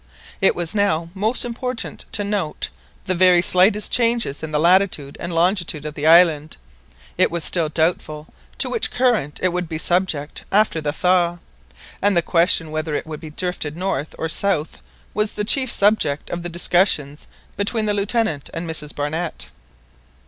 It was now most important to note the very slightest changes in the latitude and longitude of the island. It was still doubtful to which current it would be subject after the thaw, and the question whether it would be drifted north or south was the chief subject of the discussions between the Lieutenant and Mrs Barnett.